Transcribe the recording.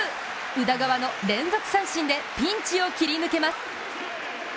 宇田川の連続三振でピンチを切り抜けます。